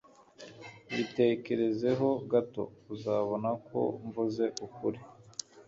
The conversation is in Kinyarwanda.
Bitekerezeho gato. Uzabona ko mvuze ukuri